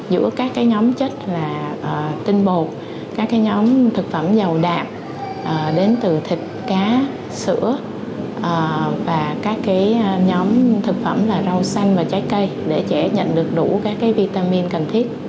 giữa các nhóm chất là tinh bột các nhóm thực phẩm giàu đẹp đến từ thịt cá sữa và các nhóm thực phẩm là rau xanh và trái cây để trẻ nhận được đủ các vitamin cần thiết